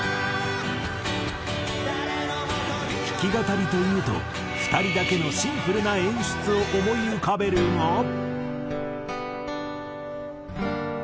弾き語りというと２人だけのシンプルな演出を思い浮かべるが。